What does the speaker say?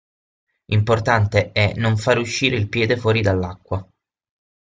Importante è non fare uscire il piede fuori dall'acqua.